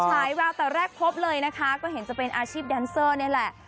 ฉายแววแต่แรกพบเลยนะคะก็เห็นจะเป็นอาชีพแดนเซอร์นี่แหละ